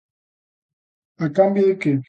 A cambio de que?